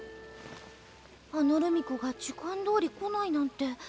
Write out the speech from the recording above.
あの留美子が時間どおり来ないなんて。